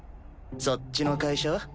そっちの会社は？